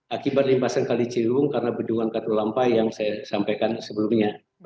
akibat limpasan kali celiwu karena bedungan katulampas yang saya sampaikan sebelumnya